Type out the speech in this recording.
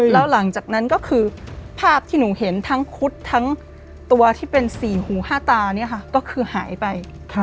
แล้วหลังจากนั้นก็คือภาพที่หนูเห็นทั้งคุดทั้งตัวที่เป็นสี่หูห้าตาเนี่ยค่ะก็คือหายไป